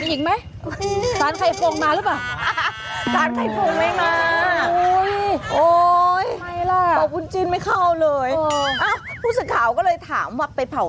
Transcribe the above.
อีกไหมสารไข่ฟงมาหรือเปล่า